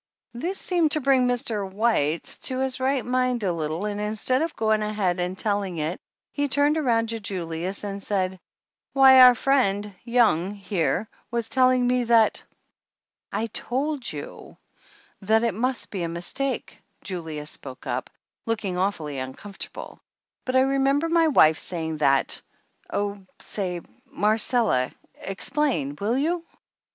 This seemed to bring Mr. White to his right mind a little and instead of going ahead and telling it he turned around to Julius and said: "Why our friend, Young, here, was telling me that " "I t old you that it must be a mistake," Julius spoke up, looking awfully uncomfortable, "but I remember my wife saying that oh, say, Mar cella, explain will you?"